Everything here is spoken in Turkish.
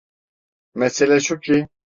Mesele şu ki…